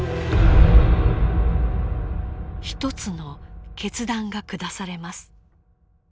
一つの決断が下されます。